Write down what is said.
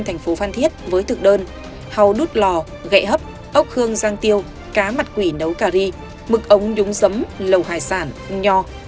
thành phố phan thiết với thực đơn hầu đút lò gậy hấp ốc hương giang tiêu cá mặt quỷ nấu cà ri mực ống đúng giấm lầu hải sản nho